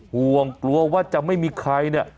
ห่วงกลัวว่าจะไม่มีใครเนี่ย